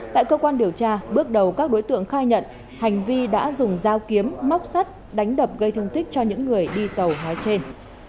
tại cơ quan điều tra bước đầu các đối tượng khai nhận hành vi đã dùng dao kiếm móc sắt đánh đập gây thương tích cho những người đi tàu nói trên